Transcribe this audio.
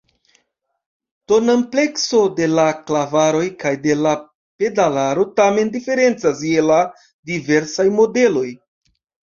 Tonamplekso de la klavaroj kaj de la pedalaro tamen diferencas je la diversaj modeloj.